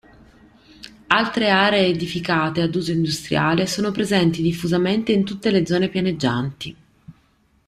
Altre aree edificate ad uso industriale sono presenti diffusamente in tutte le zone pianeggianti.